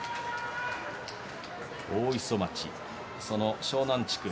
大磯町湘南地区